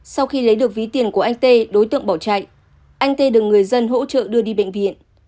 sau khi lấy được ví tiền của anh tê đối tượng bỏ chạy anh tê được người dân hỗ trợ đưa đi bệnh viện